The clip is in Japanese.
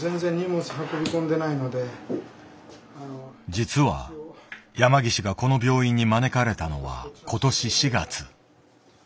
実は山岸がこの病院に招かれたのは今年４月。